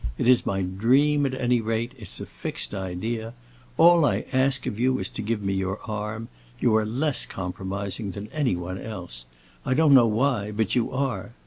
It is my dream, at any rate, it's a fixed idea. All I ask of you is to give me your arm; you are less compromising than anyone else. I don't know why, but you are.